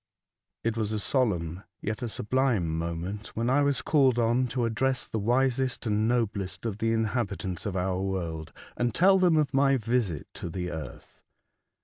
IT was a solemn yet a sublime moment when I was called on to address the wisest and noblest of the inhabitants of our world, and tell them of my visit to the earth.